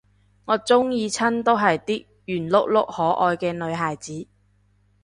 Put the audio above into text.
我鍾意親都係啲圓碌碌可愛嘅女孩子